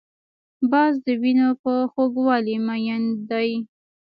باز د وینو په خوږوالي مین دی